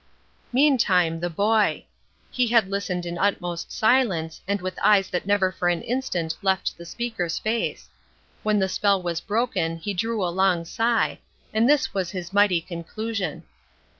Meantime the boy. He had listened in utmost silence, and with eyes that never for an instant left the speaker's face! When the spell was broken he drew a long sigh, and this was his mighty conclusion.